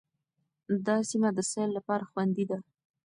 دا سیمه د سیل لپاره خوندي ده.